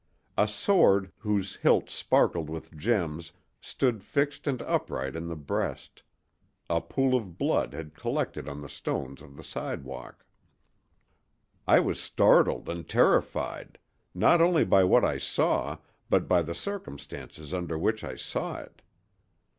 A sword whose hilt sparkled with gems stood fixed and upright in the breast; a pool of blood had collected on the stones of the sidewalk. I was startled and terrified—not only by what I saw, but by the circumstances under which I saw it.